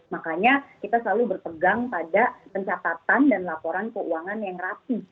makanya kita selalu berpegang pada pencatatan dan laporan keuangan yang rapi